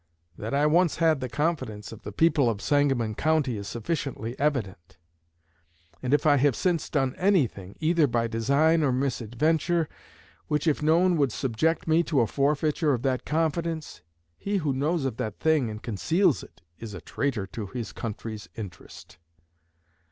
That I once had the confidence of the people of Sangamon County is sufficiently evident; and if I have since done anything, either by design or misadventure, which if known would subject me to a forfeiture of that confidence, he who knows of that thing and conceals it is a traitor to his country's interest.